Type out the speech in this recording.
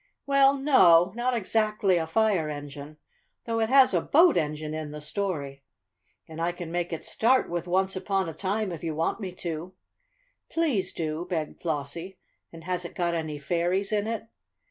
"Well, no, not exactly a fire engine, though it has a boat engine in the story. And I can make it start with 'once upon a time,' if you want me to." "Please do," begged Flossie. "And has it got any fairies in it?"